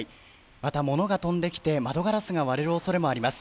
また物が飛んできて窓ガラスが割れるおそれもあります。